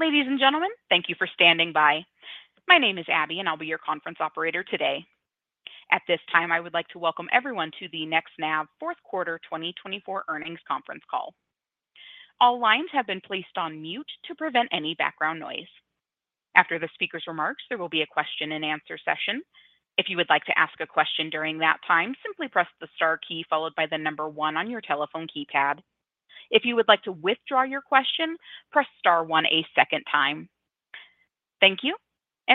Ladies and gentlemen, thank you for standing by. My name is Abby, and I'll be your conference operator today. At this time, I would like to welcome everyone to the NextNav Fourth Quarter 2024 earnings conference call. All lines have been placed on mute to prevent any background noise. After the speaker's remarks, there will be a question-and-answer session. If you would like to ask a question during that time, simply press the star key followed by the number one on your telephone keypad. If you would like to withdraw your question, press star one a second time. Thank you.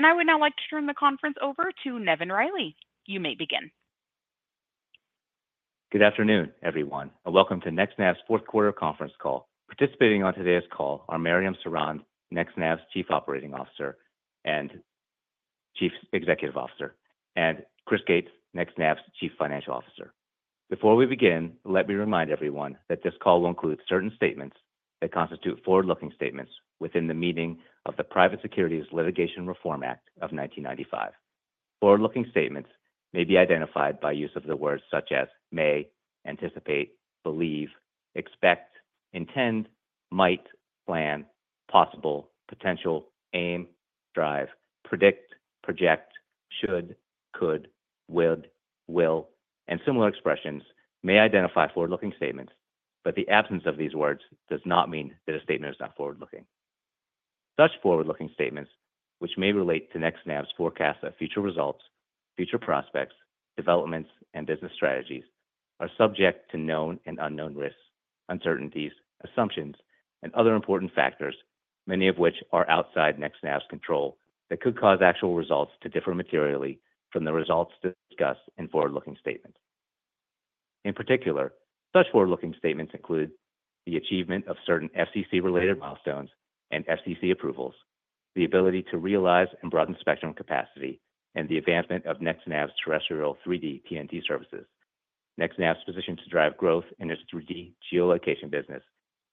I would now like to turn the conference over to Nevin Reilly. You may begin. Good afternoon, everyone. Welcome to NextNav's Fourth Quarter conference call. Participating on today's call are Mariam Sorond, NextNav's Chief Operating Officer and Chief Executive Officer, and Chris Gates, NextNav's Chief Financial Officer. Before we begin, let me remind everyone that this call will include certain statements that constitute forward-looking statements within the meaning of the Private Securities Litigation Reform Act of 1995. Forward-looking statements may be identified by use of the words such as may, anticipate, believe, expect, intend, might, plan, possible, potential, aim, drive, predict, project, should, could, would, will, and similar expressions may identify forward-looking statements, but the absence of these words does not mean that a statement is not forward-looking. Such forward-looking statements, which may relate to NextNav's forecasts of future results, future prospects, developments, and business strategies, are subject to known and unknown risks, uncertainties, assumptions, and other important factors, many of which are outside NextNav's control that could cause actual results to differ materially from the results discussed in forward-looking statements. In particular, such forward-looking statements include the achievement of certain FCC-related milestones and FCC approvals, the ability to realize and broaden spectrum capacity, and the advancement of NextNav's terrestrial 3D PNT services, NextNav's position to drive growth in its 3D geolocation business,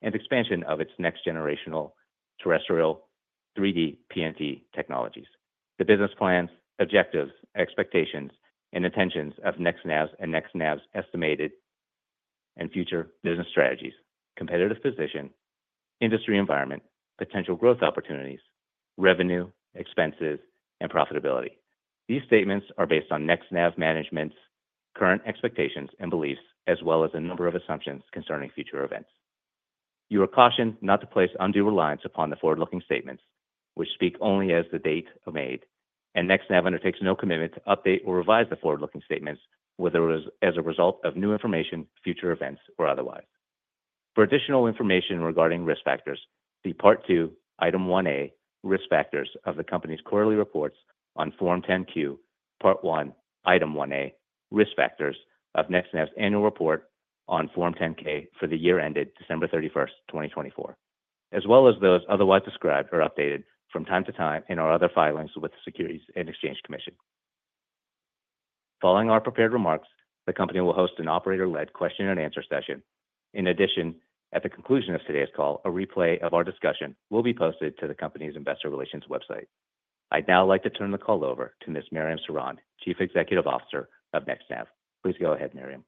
and expansion of its next-generational terrestrial 3D PNT technologies, the business plans, objectives, expectations, and intentions of NextNav's and NextNav's estimated and future business strategies, competitive position, industry environment, potential growth opportunities, revenue, expenses, and profitability. These statements are based on NextNav management's current expectations and beliefs, as well as a number of assumptions concerning future events. You are cautioned not to place undue reliance upon the forward-looking statements, which speak only as of the date made, and NextNav undertakes no commitment to update or revise the forward-looking statements as a result of new information, future events, or otherwise. For additional information regarding risk factors, see Part 2, Item 1A, Risk Factors of the Company's Quarterly Reports on Form 10-Q, Part 1, Item 1A, Risk Factors of NextNav's Annual Report on Form 10-K for the year ended December 31, 2024, as well as those otherwise described or updated from time to time in our other filings with the Securities and Exchange Commission. Following our prepared remarks, the company will host an operator-led question-and-answer session. In addition, at the conclusion of today's call, a replay of our discussion will be posted to the company's investor relations website. I'd now like to turn the call over to Ms. Mariam Sorond, Chief Executive Officer of NextNav. Please go ahead, Mariam.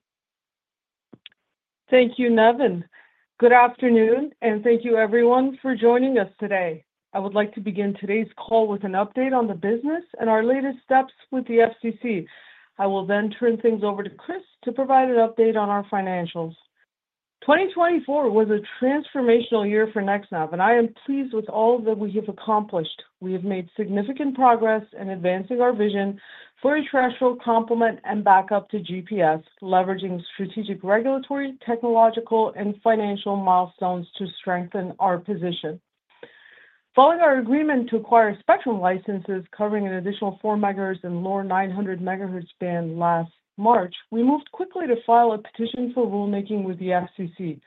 Thank you, Nevin. Good afternoon, and thank you, everyone, for joining us today. I would like to begin today's call with an update on the business and our latest steps with the FCC. I will then turn things over to Chris to provide an update on our financials. 2024 was a transformational year for NextNav, and I am pleased with all that we have accomplished. We have made significant progress in advancing our vision for a terrestrial complement and backup to GPS, leveraging strategic regulatory, technological, and financial milestones to strengthen our position. Following our agreement to acquire spectrum licenses covering an additional 4 MHz in the lower 900 MHz band last March, we moved quickly to file a petition for rulemaking with the FCC.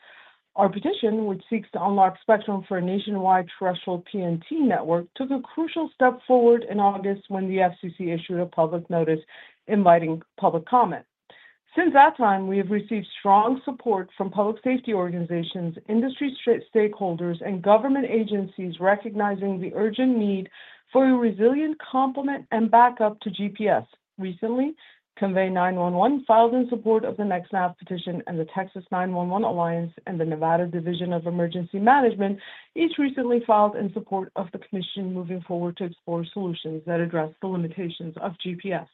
Our petition, which seeks to unlock spectrum for a nationwide terrestrial PNT network, took a crucial step forward in August when the FCC issued a public notice inviting public comment. Since that time, we have received strong support from public safety organizations, industry stakeholders, and government agencies recognizing the urgent need for a resilient complement and backup to GPS. Recently, Convey911 filed in support of the NextNav petition and the Texas 911 Alliance and the Nevada Division of Emergency Management, each recently filed in support of the Commission moving forward to explore solutions that address the limitations of GPS.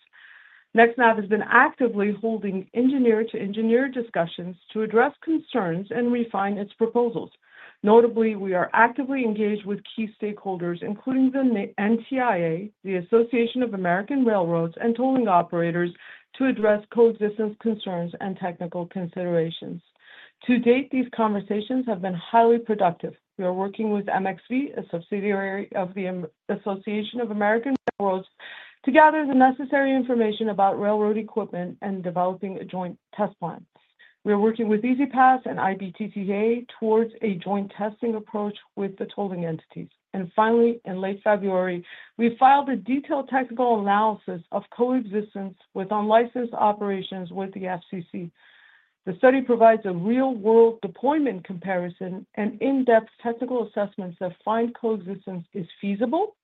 NextNav has been actively holding engineer-to-engineer discussions to address concerns and refine its proposals. Notably, we are actively engaged with key stakeholders, including the NTIA, the Association of American Railroads, and tolling operators, to address coexistence concerns and technical considerations. To date, these conversations have been highly productive. We are working with MXV, a subsidiary of the Association of American Railroads, to gather the necessary information about railroad equipment and developing a joint test plan. We are working with E-ZPass and IBTTA towards a joint testing approach with the tolling entities. Finally, in late February, we filed a detailed technical analysis of coexistence with unlicensed operations with the FCC. The study provides a real-world deployment comparison and in-depth technical assessments that find coexistence is feasible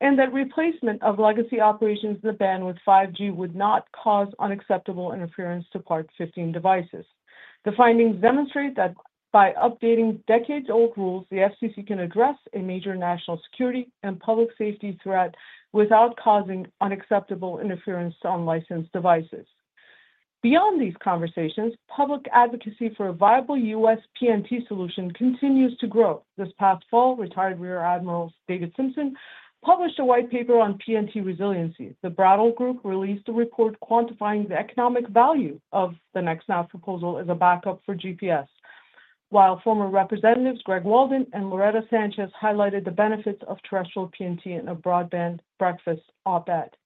and that replacement of legacy operations in the bandwidth 5G would not cause unacceptable interference to Part 15 devices. The findings demonstrate that by updating decades-old rules, the FCC can address a major national security and public safety threat without causing unacceptable interference to unlicensed devices. Beyond these conversations, public advocacy for a viable U.S. PNT solution continues to grow. This past fall, retired Rear Admiral David Simpson published a white paper on PNT resiliency. The Brattle Group released a report quantifying the economic value of the NextNav proposal as a backup for GPS, while former representatives Greg Walden and Loretta Sanchez highlighted the benefits of terrestrial PNT and a Broadband Breakfast op-ed. More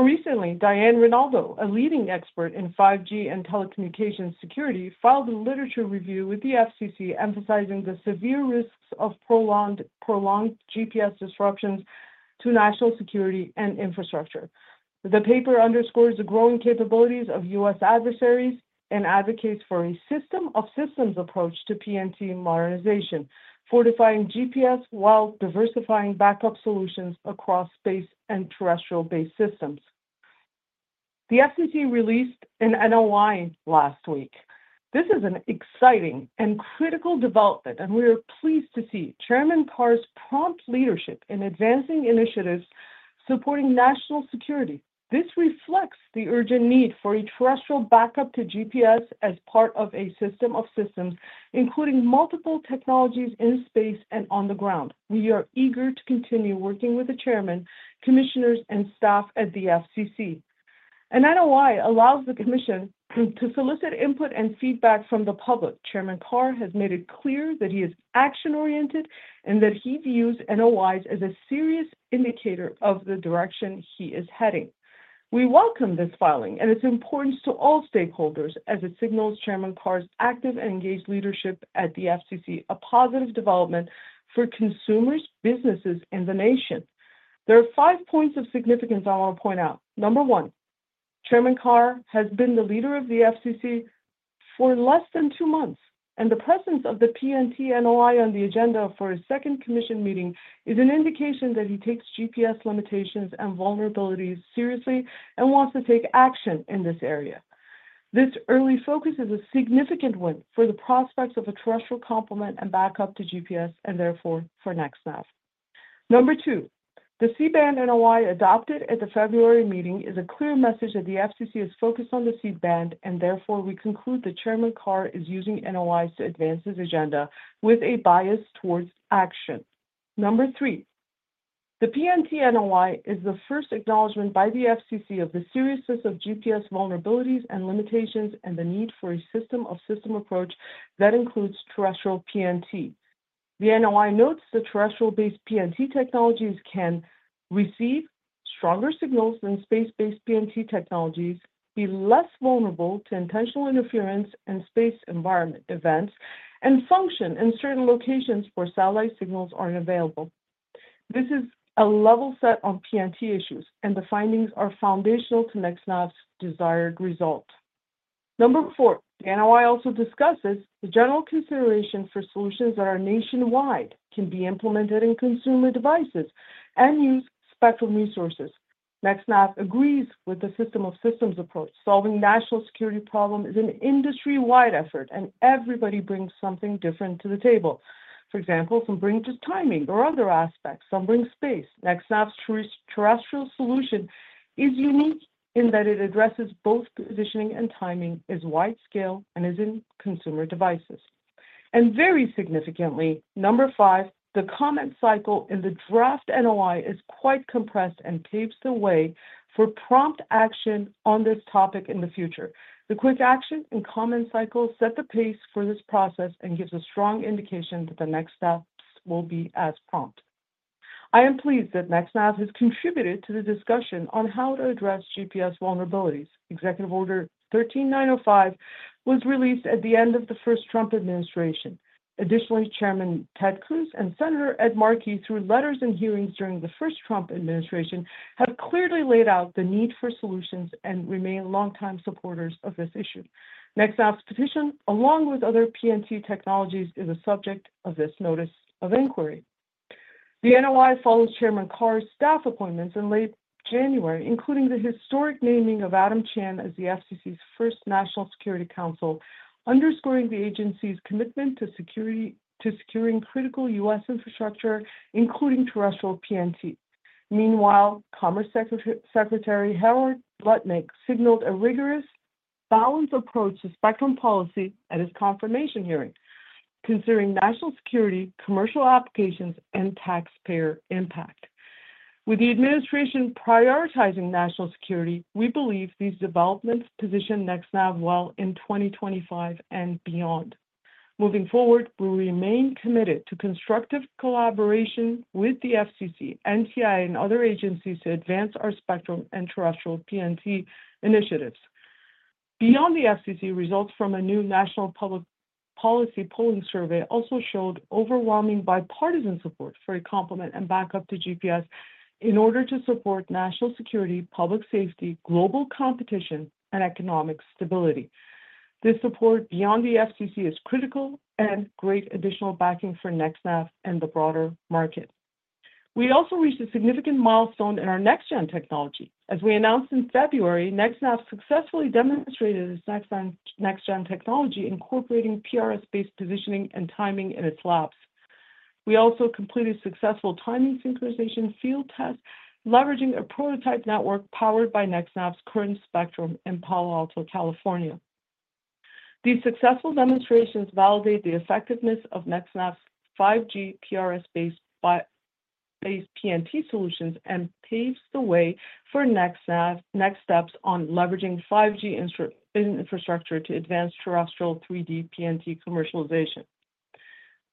recently, Diane Rinaldo, a leading expert in 5G and telecommunications security, filed a literature review with the FCC emphasizing the severe risks of prolonged GPS disruptions to national security and infrastructure. The paper underscores the growing capabilities of U.S. adversaries and advocates for a system-of-systems approach to PNT modernization, fortifying GPS while diversifying backup solutions across space and terrestrial-based systems. The FCC released an NOI last week. This is an exciting and critical development, and we are pleased to see Chairman leadership in advancing initiatives supporting national security. This reflects the urgent need for a terrestrial backup to GPS as part of a system-of-systems, including multiple technologies in space and on the ground. We are eager to continue working with the Chairman, commissioners, and staff at the FCC. An NOI allows the Commission to solicit input and feedback from the public. Chairman Carr has made it clear that he is action-oriented and that he views NOIs as a serious indicator of the direction he is heading. We welcome this filing and its importance to all stakeholders, as it signals Chairman Carr's active and engaged leadership at the FCC, a positive development for consumers, businesses, and the nation. There are five points of significance I want to point out. Number one, Chairman Carr has been the leader of the FCC for less than two months, and the presence of the PNT NOI on the agenda for his second Commission meeting is an indication that he takes GPS limitations and vulnerabilities seriously and wants to take action in this area. This early focus is a significant win for the prospects of a terrestrial complement and backup to GPS, and therefore for NextNav. Number two, the C-band NOI adopted at the February meeting is a clear message that the FCC is focused on the C-band, and therefore we conclude that Chairman Carr is using NOIs to advance his agenda with a bias towards action. Number three, the PNT NOI is the first acknowledgment by the FCC of the seriousness of GPS vulnerabilities and limitations and the need for a system-of-systems approach that includes terrestrial PNT. The NOI notes that terrestrial-based PNT technologies can receive stronger signals than space-based PNT technologies, be less vulnerable to intentional interference and space environment events, and function in certain locations where satellite signals are not available. This is a level set on PNT issues, and the findings are foundational to NextNav's desired result. Number four, the NOI also discusses the general consideration for solutions that are nationwide, can be implemented in consumer devices, and use spectrum resources. NextNav agrees with the system-of-systems approach. Solving national security problems is an industry-wide effort, and everybody brings something different to the table. For example, some bring just timing or other aspects. Some bring space. NextNav's terrestrial solution is unique in that it addresses both positioning and timing, is wide-scale, and is in consumer devices. Very significantly, number five, the comment cycle in the draft NOI is quite compressed and paves the way for prompt action on this topic in the future. The quick action and comment cycle set the pace for this process and gives a strong indication that the next steps will be as prompt. I am pleased that NextNav has contributed to the discussion on how to address GPS vulnerabilities. Executive Order 13905 was released at the end of the first Trump administration. Additionally, Chairman Ted Cruz and Senator Ed Markey through letters and hearings during the first Trump administration have clearly laid out the need for solutions and remain long-time supporters of this issue. NextNav's petition, along with other PNT technologies, is a subject of this notice of inquiry. The NOI follows Chairman Carr's staff appointments in late January, including the historic naming of Adam Chan as the FCC's first National Security Counsel, underscoring the agency's commitment to securing critical U.S. infrastructure, including terrestrial PNT. Meanwhile, Commerce Secretary Howard Lutnick signaled a rigorous balanced approach to spectrum policy at his confirmation hearing, considering national security, commercial applications, and taxpayer impact. With the administration prioritizing national security, we believe these developments position NextNav well in 2025 and beyond. Moving forward, we remain committed to constructive collaboration with the FCC, NTIA, and other agencies to advance our spectrum and terrestrial PNT initiatives. Beyond the FCC, results from a new national public policy polling survey also showed overwhelming bipartisan support for a complement and backup to GPS in order to support national security, public safety, global competition, and economic stability. This support beyond the FCC is critical and great additional backing for NextNav and the broader market. We also reached a significant milestone in our next-gen technology. As we announced in February, NextNav successfully demonstrated its next-gen technology, incorporating PRS-based positioning and timing in its labs. We also completed successful timing synchronization field tests, leveraging a prototype network powered by NextNav's current spectrum in Palo Alto, California. These successful demonstrations validate the effectiveness of NextNav's 5G PRS-based PNT solutions and paves the way for next steps on leveraging 5G infrastructure to advance terrestrial 3D PNT commercialization.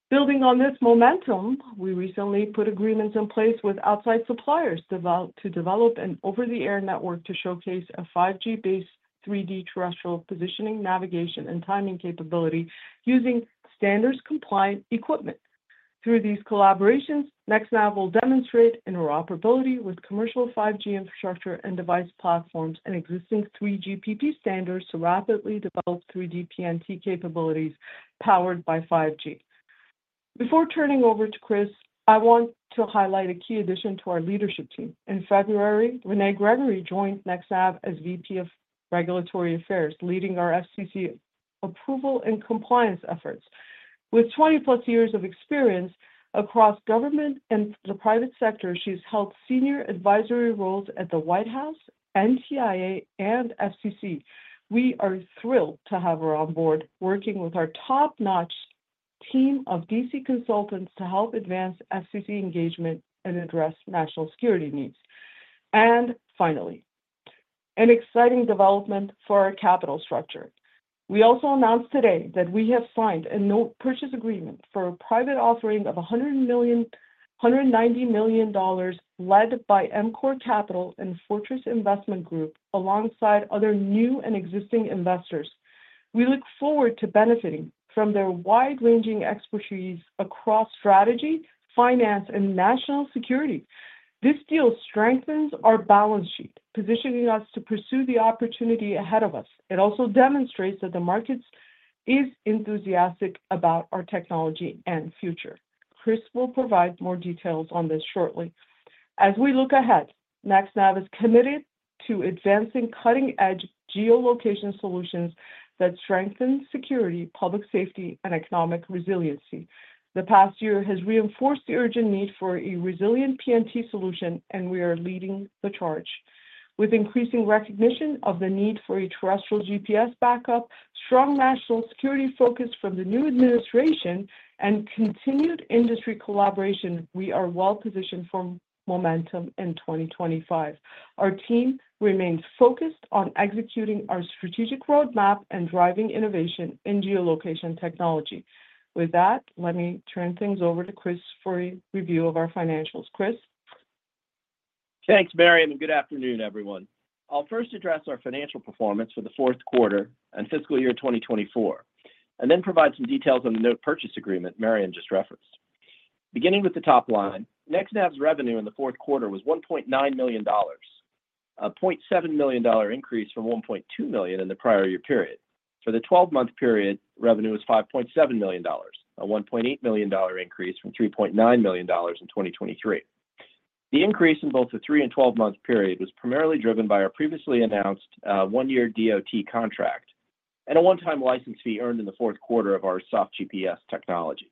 Building on this momentum, we recently put agreements in place with outside suppliers to develop an over-the-air network to showcase a 5G-based 3D terrestrial positioning, navigation, and timing capability using standards-compliant equipment. Through these collaborations, NextNav will demonstrate interoperability with commercial 5G infrastructure and device platforms and existing 3GPP standards to rapidly develop 3D PNT capabilities powered by 5G. Before turning over to Chris, I want to highlight a key addition to our leadership team. In February, Renee Gregory joined NextNav as VP of Regulatory Affairs, leading our FCC approval and compliance efforts. With 20-plus years of experience across government and the private sector, she's held senior advisory roles at the White House, NTIA, and FCC. We are thrilled to have her on board, working with our top-notch team of DC consultants to help advance FCC engagement and address national security needs. Finally, an exciting development for our capital structure. We also announced today that we have signed a note purchase agreement for a private offering of $190 million led by Encore Capital and Fortress Investment Group alongside other new and existing investors. We look forward to benefiting from their wide-ranging expertise across strategy, finance, and national security. This deal strengthens our balance sheet, positioning us to pursue the opportunity ahead of us. It also demonstrates that the market is enthusiastic about our technology and future. Chris will provide more details on this shortly. As we look ahead, NextNav is committed to advancing cutting-edge geolocation solutions that strengthen security, public safety, and economic resiliency. The past year has reinforced the urgent need for a resilient PNT solution, and we are leading the charge. With increasing recognition of the need for a terrestrial GPS backup, strong national security focus from the new administration, and continued industry collaboration, we are well-positioned for momentum in 2025. Our team remains focused on executing our strategic roadmap and driving innovation in geolocation technology. With that, let me turn things over to Chris for a review of our financials. Chris. Thanks, Mariam, and good afternoon, everyone. I'll first address our financial performance for the fourth quarter and fiscal year 2024, and then provide some details on the note purchase agreement Mariam just referenced. Beginning with the top line, NextNav's revenue in the fourth quarter was $1.9 million, a $0.7 million increase from $1.2 million in the prior year period. For the 12-month period, revenue was $5.7 million, a $1.8 million increase from $3.9 million in 2023. The increase in both the three and 12-month period was primarily driven by our previously announced one-year DOT contract and a one-time license fee earned in the fourth quarter of our SoftGPS technology.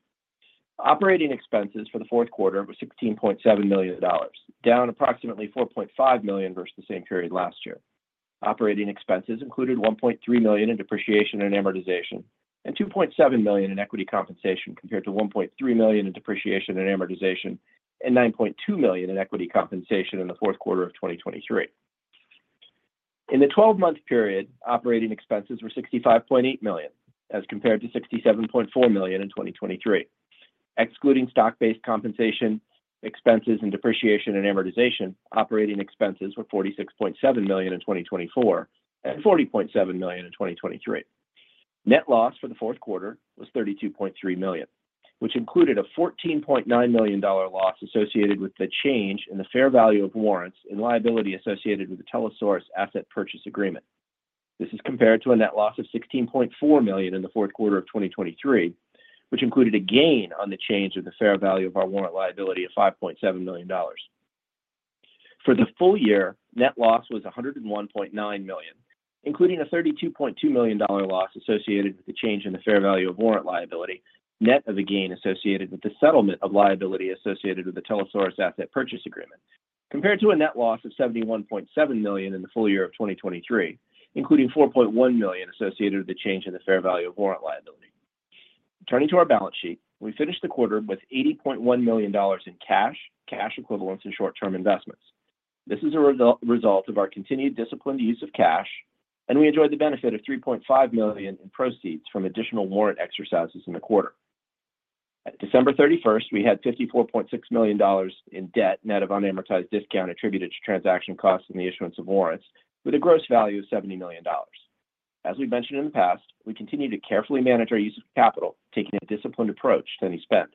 Operating expenses for the fourth quarter were $16.7 million, down approximately $4.5 million versus the same period last year. Operating expenses included $1.3 million in depreciation and amortization and $2.7 million in equity compensation compared to $1.3 million in depreciation and amortization and $9.2 million in equity compensation in the fourth quarter of 2023. In the 12-month period, operating expenses were $65.8 million as compared to $67.4 million in 2023. Excluding stock-based compensation expenses and depreciation and amortization, operating expenses were $46.7 million in 2024 and $40.7 million in 2023. Net loss for the fourth quarter was $32.3 million, which included a $14.9 million loss associated with the change in the fair value of warrants and liability associated with the Telesaurus asset purchase agreement. This is compared to a net loss of $16.4 million in the fourth quarter of 2023, which included a gain on the change of the fair value of our warrant liability of $5.7 million. For the full year, net loss was $101.9 million, including a $32.2 million loss associated with the change in the fair value of warrant liability net of a gain associated with the settlement of liability associated with the Telesaurus asset purchase agreement, compared to a net loss of $71.7 million in the full year of 2023, including $4.1 million associated with the change in the fair value of warrant liability. Turning to our balance sheet, we finished the quarter with $80.1 million in cash, cash equivalents, and short-term investments. This is a result of our continued disciplined use of cash, and we enjoyed the benefit of $3.5 million in proceeds from additional warrant exercises in the quarter. At December 31st, we had $54.6 million in debt net of unamortized discount attributed to transaction costs and the issuance of warrants, with a gross value of $70 million. As we've mentioned in the past, we continue to carefully manage our use of capital, taking a disciplined approach to any spend.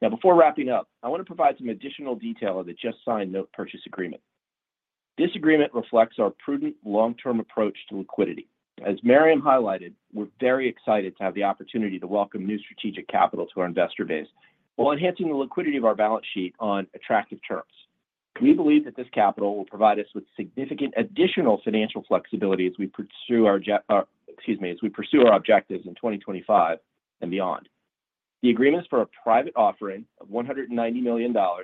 Now, before wrapping up, I want to provide some additional detail of the just-signed no-purchase agreement. This agreement reflects our prudent long-term approach to liquidity. As Mariam highlighted, we're very excited to have the opportunity to welcome new strategic capital to our investor base while enhancing the liquidity of our balance sheet on attractive terms. We believe that this capital will provide us with significant additional financial flexibility as we pursue our objectives in 2025 and beyond. The agreement is for a private offering of $190 million of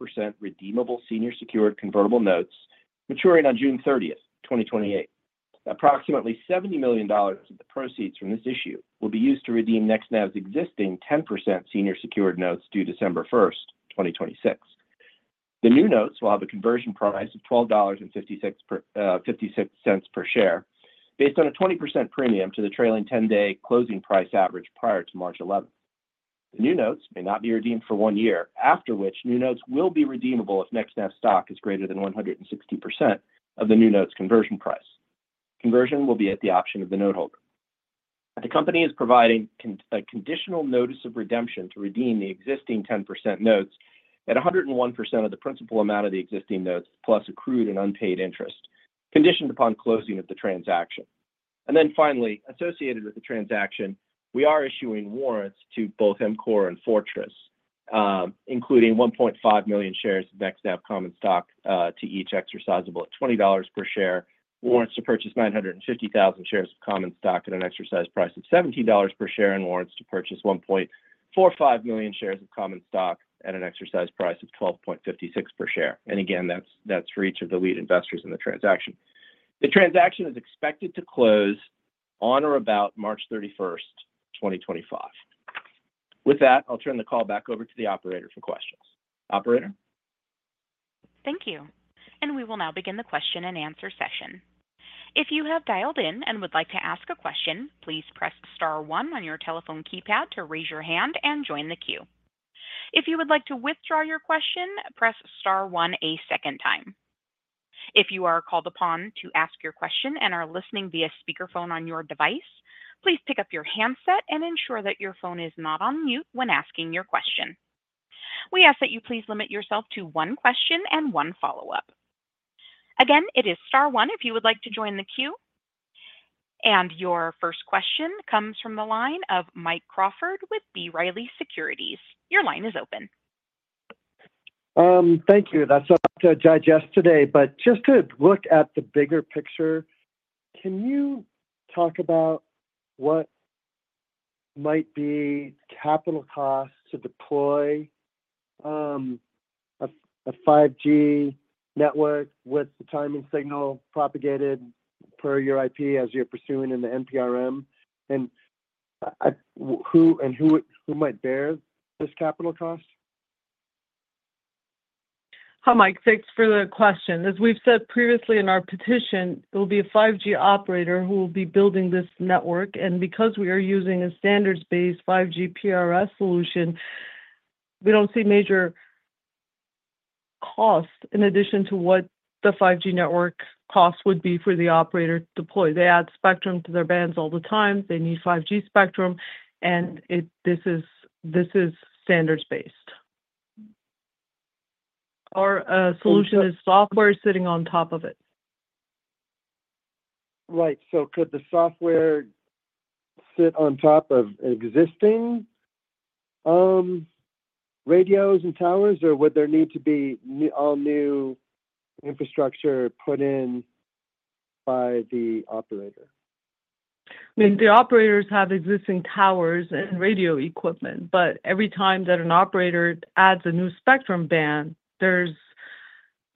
5% redeemable senior secured convertible notes, maturing on June 30th, 2028. Approximately $70 million of the proceeds from this issue will be used to redeem NextNav's existing 10% senior secured notes due December 1st, 2026. The new notes will have a conversion price of $12.56 per share based on a 20% premium to the trailing 10-day closing price average prior to March 11th. The new notes may not be redeemed for one year, after which new notes will be redeemable if NextNav stock is greater than 160% of the new notes' conversion price. Conversion will be at the option of the noteholder. The company is providing a conditional notice of redemption to redeem the existing 10% notes at 101% of the principal amount of the existing notes, plus accrued and unpaid interest, conditioned upon closing of the transaction. Finally, associated with the transaction, we are issuing warrants to both EMCORE and Fortress, including 1.5 million shares of NextNav common stock to each exercisable at $20 per share, warrants to purchase 950,000 shares of common stock at an exercise price of $17 per share, and warrants to purchase 1.45 million shares of common stock at an exercise price of $12.56 per share. Again, that's for each of the lead investors in the transaction. The transaction is expected to close on or about March 31, 2025. With that, I'll turn the call back over to the operator for questions. Operator? Thank you. We will now begin the question and answer session. If you have dialed in and would like to ask a question, please press star one on your telephone keypad to raise your hand and join the queue. If you would like to withdraw your question, press star one a second time. If you are called upon to ask your question and are listening via speakerphone on your device, please pick up your handset and ensure that your phone is not on mute when asking your question. We ask that you please limit yourself to one question and one follow-up. Again, it is star one if you would like to join the queue. Your first question comes from the line of Mike Crawford with B. Riley Securities. Your line is open. Thank you. That is all I have to digest today. Just to look at the bigger picture, can you talk about what might be capital costs to deploy a 5G network with the timing signal propagated per your IP as you are pursuing in the NPRM? Who might bear this capital cost? Hi, Mike. Thanks for the question. As we have said previously in our petition, it will be a 5G operator who will be building this network. Because we are using a standards-based 5G PRS solution, we do not see major costs in addition to what the 5G network cost would be for the operator to deploy. They add spectrum to their bands all the time. They need 5G spectrum, and this is standards-based. Our solution is software sitting on top of it. Right. So could the software sit on top of existing radios and towers, or would there need to be all new infrastructure put in by the operator? I mean, the operators have existing towers and radio equipment, but every time that an operator adds a new spectrum band, there's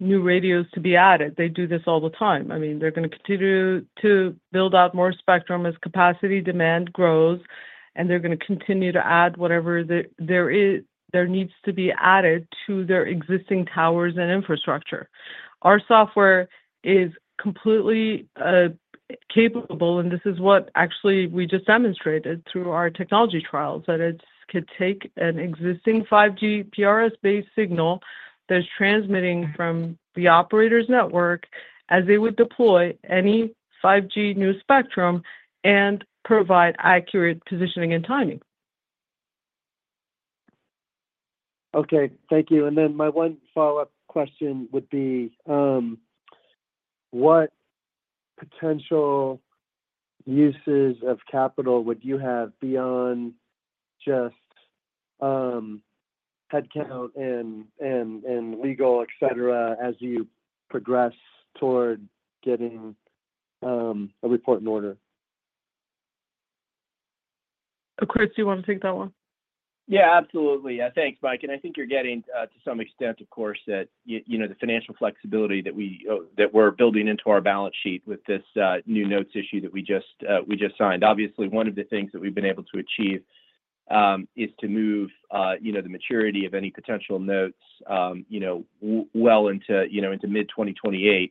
new radios to be added. They do this all the time. I mean, they're going to continue to build out more spectrum as capacity demand grows, and they're going to continue to add whatever there needs to be added to their existing towers and infrastructure. Our software is completely capable, and this is what actually we just demonstrated through our technology trials, that it could take an existing 5G PRS-based signal that's transmitting from the operator's network as they would deploy any 5G new spectrum and provide accurate positioning and timing. Thank you. My one follow-up question would be, what potential uses of capital would you have beyond just headcount and legal, etc., as you progress toward getting a report in order? Chris, do you want to take that one? Yeah, absolutely. Thanks, Mike. I think you're getting, to some extent, of course, that the financial flexibility that we're building into our balance sheet with this new notes issue that we just signed. Obviously, one of the things that we've been able to achieve is to move the maturity of any potential notes well into mid-2028.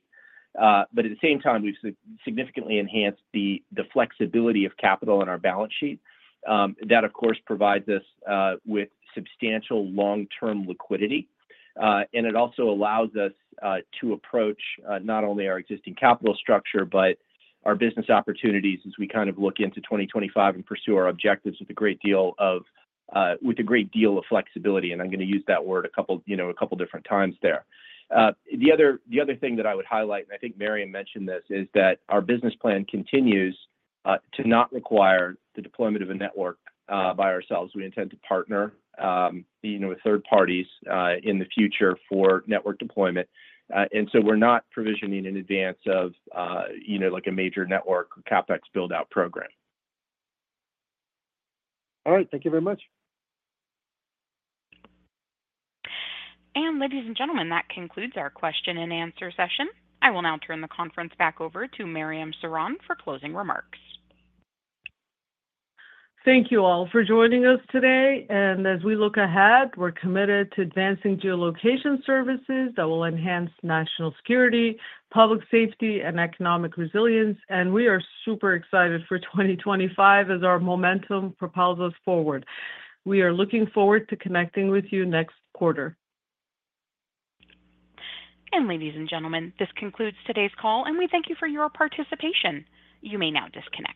At the same time, we've significantly enhanced the flexibility of capital in our balance sheet. That, of course, provides us with substantial long-term liquidity, and it also allows us to approach not only our existing capital structure but our business opportunities as we kind of look into 2025 and pursue our objectives with a great deal of flexibility. I'm going to use that word a couple of different times there. The other thing that I would highlight, and I think Mariam mentioned this, is that our business plan continues to not require the deployment of a network by ourselves. We intend to partner with third parties in the future for network deployment. We are not provisioning in advance of a major network CapEx build-out program. Thank you very much. Ladies and gentlemen, that concludes our question and answer session. I will now turn the conference back over to Mariam Sorond for closing remarks. Thank you all for joining us today. As we look ahead, we're committed to advancing geolocation services that will enhance national security, public safety, and economic resilience. We are super excited for 2025 as our momentum propels us forward. We are looking forward to connecting with you next quarter. Ladies and gentlemen, this concludes today's call, and we thank you for your participation. You may now disconnect.